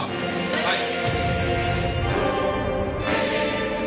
はい！